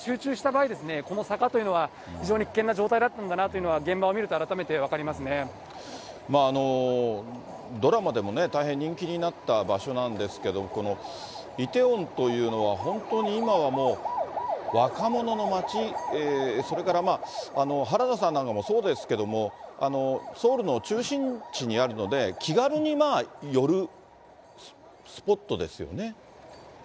場合、この坂というのは、非常に危険な状態だったんだなというのが、現場を見ると改めて分ドラマでもね、大変人気になった場所なんですけど、この梨泰院というのは、本当に今はもう若者の街、それから原田さんなんかもそうですけれども、ソウルの中心地にあるので、気軽に寄るスポットですよね。